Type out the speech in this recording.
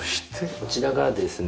こちらがですね。